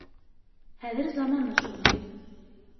Хәҙер заманы шундай.